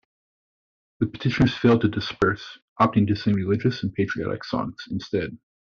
The petitioners failed to disperse, opting to sing religious and patriotic songs instead.